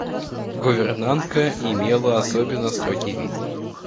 Гувернантка имела особенно строгий вид.